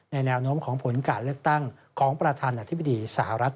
แนวโน้มของผลการเลือกตั้งของประธานาธิบดีสหรัฐ